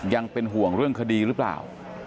ยังเป็นห่วงเรื่องคดีหรือเปล่า